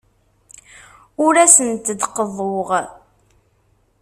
Ur asent-d-qeḍḍuɣ.